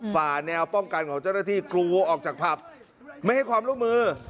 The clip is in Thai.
ฝ่าแนวป้องกันของเจ้าหน้าที่กรูออกจากผับไม่ให้ความร่วมมือ